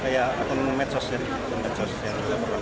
ya akun media sosial